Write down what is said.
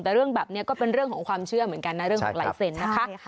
แต่เรื่องแบบนี้ก็เป็นเรื่องของความเชื่อเหมือนกันนะเรื่องของลายเซ็นต์นะคะ